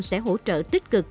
sẽ hỗ trợ tích cực